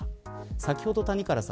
先ほど谷原さん。